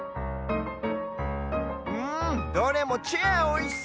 うんどれもチェアおいしそう！